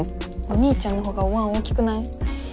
お兄ちゃんのほうがおわん大きくない？